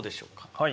はい。